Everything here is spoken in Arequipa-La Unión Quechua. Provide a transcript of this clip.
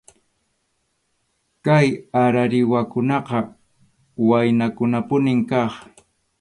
Kay arariwakunaqa waynakunapunim kaq.